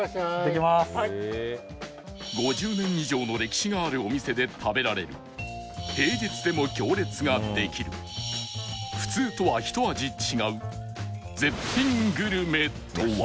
５０年以上の歴史があるお店で食べられる平日でも行列ができる普通とはひと味違う絶品グルメとは？